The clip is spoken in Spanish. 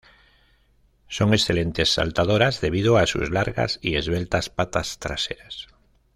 Son excelentes saltadoras debido a sus largas y esbeltas patas traseras.